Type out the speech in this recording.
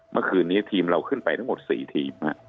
เมื่อคืนนี้ทีมเราขึ้นไปทั้งหมด๔ทีม